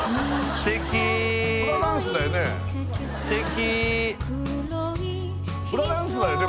すてきフラダンスだよね？